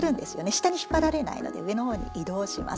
下に引っ張られないので上のほうに移動します。